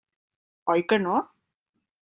Oi que no?